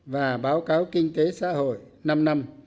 và báo cáo kinh tế xã hội năm năm